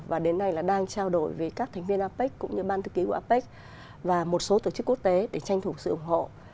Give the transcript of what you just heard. và đến nay là đang trao đổi với các thành viên apec cũng như ban thư ký của apec và một số tổ chức quốc tế để tranh thủ sự ủng hộ